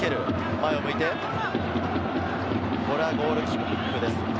前を向いて、これはゴールキックですか？